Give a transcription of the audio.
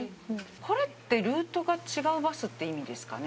これってルートが違うバスって意味ですかね？